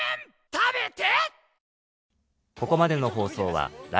食べて！